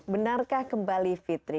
benarkah kembali fitri